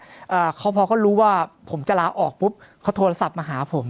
พอเขารู้ว่าผมจะลาออกปุ๊บเขาโทรโทรศัพท์มาหาผม